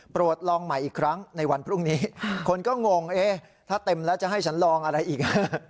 ลองใหม่อีกครั้งในวันพรุ่งนี้คนก็งงถ้าเต็มแล้วจะให้ฉันลองอะไรอีก